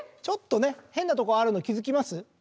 ちょっとね変なとこあるの気付きます？